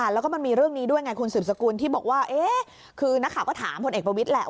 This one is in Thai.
แล้วก็มันมีเรื่องนี้ด้วยไงคุณสืบสกุลที่บอกว่าคือนักข่าวก็ถามพลเอกประวิทย์แหละ